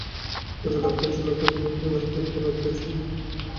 রাজলক্ষ্মী আশাকে জিজ্ঞাসা করিলেন, মহেন্দ্র কাল রাত্রে চলিয়া গেল কেন।